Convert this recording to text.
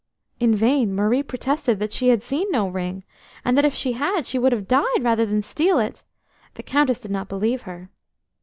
N vain Marie protested that she had seen no ring, and that, if she had, she would have died rather than steal it; the Countess did not believe her.